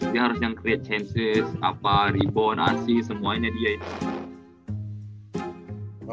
dia harus yang create chances ribonasi semuanya dia ya